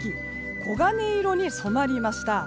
黄金色に染まりました。